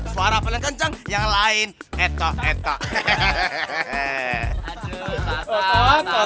suara paling kenceng yang lain eto eto hehehehehe